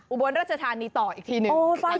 อุบลราชธานีต่ออีกทีหนึ่ง